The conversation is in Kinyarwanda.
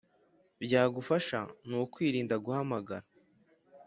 byagufasha ni ukwirinda guhamagara